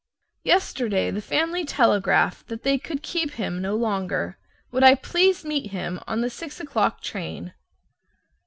Yesterday the family telegraphed that they could keep him no longer. Would I please meet him on the six o'clock train?